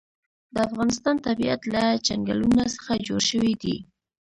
د افغانستان طبیعت له چنګلونه څخه جوړ شوی دی.